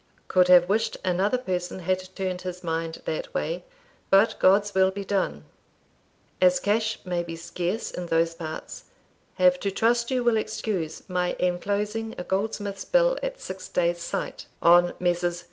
Could have wished another person had turned his mind that way; but God's will be done. As cash may be scarce in those parts, have to trust you will excuse my enclosing a goldsmith's bill at six days' sight, on Messrs.